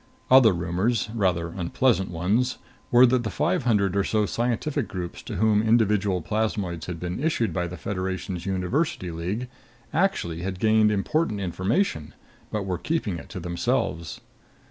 Other rumors, rather unpleasant ones, were that the five hundred or so scientific groups to whom individual plasmoids had been issued by the Federation's University League actually had gained important information, but were keeping it to themselves.